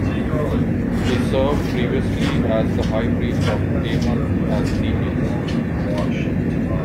He served previously as the High Priest of Amun at Thebes.